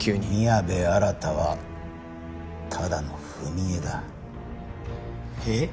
宮部新はただの踏み絵だ。えっ？